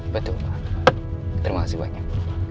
betul terima kasih banyak